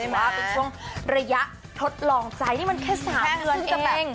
เป็นช่วงระยะทดลองใจนี่มันแค่สามเพื่อนเอง